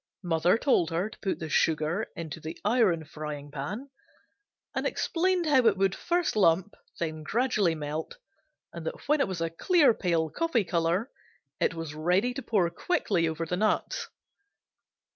Mother told her to put the sugar into the iron frying pan, and explained how it would first lump, then gradually melt, and that when it was a clear pale coffee color it was ready to pour quickly over the nuts.